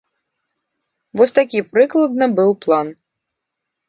Вось такі прыкладна быў план.